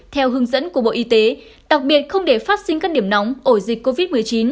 theo hướng dẫn của bộ y tế đặc biệt không để phát sinh các điểm nóng ổ dịch covid một mươi chín